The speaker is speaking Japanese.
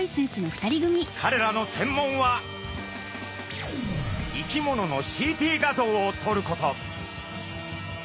かれらの専門は生き物のＣＴ画像をとること。